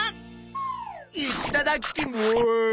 いっただっきます！